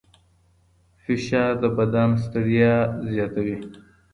فشار د بدن ستړیا زیاتوي.